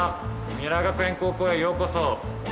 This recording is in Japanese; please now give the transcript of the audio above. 三浦学苑高校へようこそ！